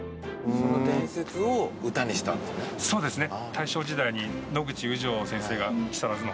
そうですね。